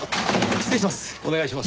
失礼します。